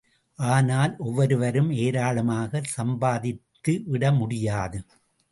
ஆனால் ஒவ்வொருவரும் ஏராளமாகச் சம்பாதித்துவிட முடியாது.